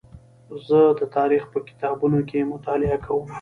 زه د تاریخ په کتابتون کې مطالعه کوم.